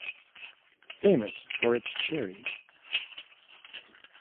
Famous for its cherries.